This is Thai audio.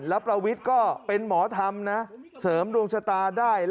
และประวิทย์ก็เป็นหมอธรรมนะ